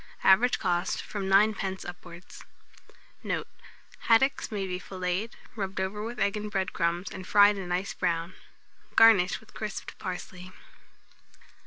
Average cost, from 9d. upwards. Note. Haddocks may be filleted, rubbed over with egg and bread crumbs, and fried a nice brown; garnish with crisped parsley.